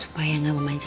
supaya gak memancing